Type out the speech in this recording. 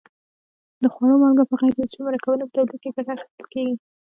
د خوړو مالګه په غیر عضوي مرکبونو په تولید کې ګټه اخیستل کیږي.